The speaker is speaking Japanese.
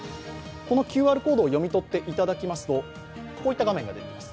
このＱＲコードを読み取っていただきますと、こういった画面が出てきます